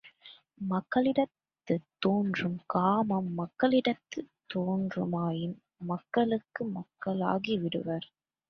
மாக்களிடத்துத் தோன்றும் காமம் மக்களிடத்துத் தோன்றுமாயின் மக்களும் மாக்களாகி விடுவர்.